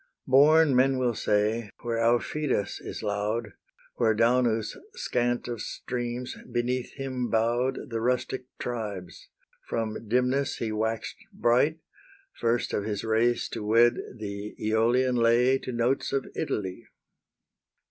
"Born," men will say, "where Aufidus is loud, Where Daunus, scant of streams, beneath him bow'd The rustic tribes, from dimness he wax'd bright, First of his race to wed the Aeolian lay To notes of Italy."